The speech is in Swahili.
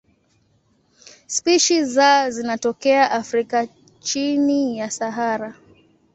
Spishi za zinatokea Afrika chini ya Sahara.